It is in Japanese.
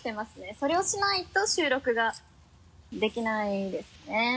それをしないと収録ができないですね。